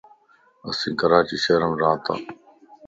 اسين ڪراچي شھر مَ ريان تان